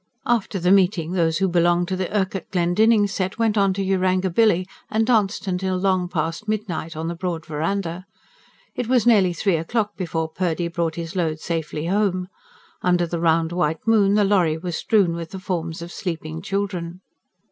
After the meeting, those who belonged to the Urquhart Glendinning set went on to Yarangobilly, and danced till long pastmidnight on the broad verandah. It was nearly three o'clock before Purdy brought his load safely home. Under the round white moon, the lorry was strewn with the forms of sleeping children.